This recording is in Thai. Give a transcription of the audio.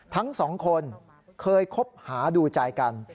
ทั้งสองคนเคยคบหาดูใจกัน